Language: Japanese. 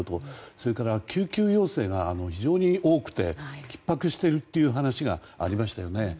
それから救急要請が非常に多くてひっ迫しているという話がありましたよね。